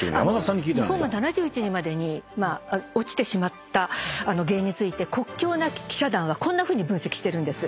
日本が７１位までに落ちてしまった原因について国境なき記者団はこんなふうに分析してるんです。